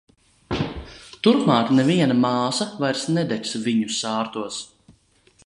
Turpmāk neviena māsa vairs nedegs viņu sārtos!